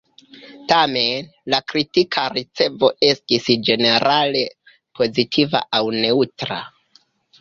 Tamen, la kritika ricevo estis ĝenerale pozitiva aŭ neŭtra.